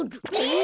え！？